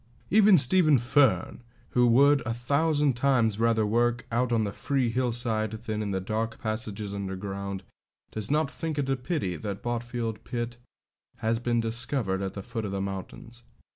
Even Stephen Fern, who would a thousand times rather work out on the free hillside than in the dark passages underground, does not think it a pity that the Botfield pit has been discovered at the foot of the mountains.